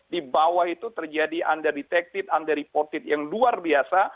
di bawah itu terjadi undedetected undereported yang luar biasa